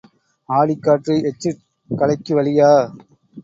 ஆடிக் காற்று எச்சிற் கலைக்கு வழியா?